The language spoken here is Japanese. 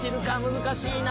難しいな。